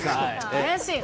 怪しいな。